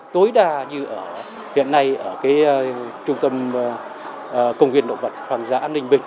tối đa như hiện nay ở trung tâm công viên động vật hoang dã ninh bình